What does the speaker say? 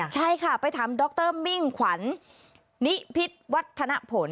ใช่ค่ะไปถามดรมิ่งขวัญนิพิษวัฒนผล